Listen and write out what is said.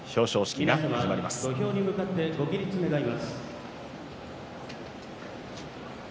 土俵に向かってご起立ください。